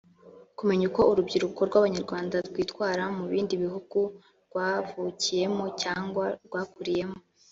kumenya uko urubyiruko rw’Abanyarwanda rwitwara mu bindi bihugu rwavukiyemo cyangwa rwakuriyemo